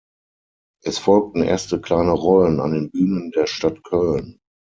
Es folgten erste kleine Rollen an den Bühnen der Stadt Köln.